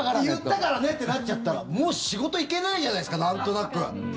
言ったからねってなっちゃったらもう仕事行けないじゃないですかなんとなく。